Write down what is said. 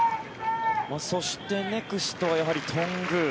そして、ネクストはやはり頓宮。